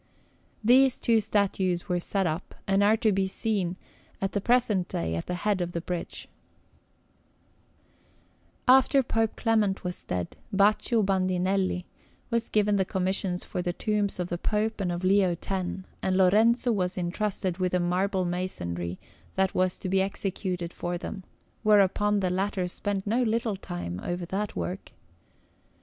These two statues were set up, and are to be seen at the present day at the head of the bridge. [Illustration: S. PETER (After Lorenzetto. Rome: Ponte S. Angelo) Anderson] After Pope Clement was dead, Baccio Bandinelli was given the commissions for the tombs of that Pope and of Leo X, and Lorenzo was entrusted with the marble masonry that was to be executed for them; whereupon the latter spent no little time over that work.